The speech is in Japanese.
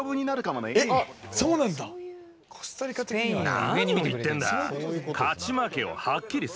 何を言ってんだ！